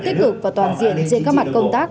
tích cực và toàn diện trên các mặt công tác